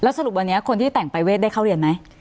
สรุปวันนี้คนที่แต่งประเวทได้เข้าเรียนไหม